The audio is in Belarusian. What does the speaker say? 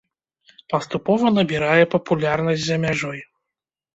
Паступова набірае папулярнасць за мяжой.